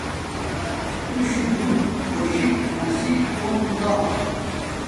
تو شو بوتک خوشنگ نصیب ہونتا